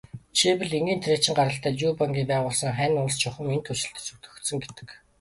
Жишээлбэл, энгийн тариачин гаралтай Лю Бангийн байгуулсан Хань улс чухам энд түшиглэж зөвтгөгдсөн гэдэг.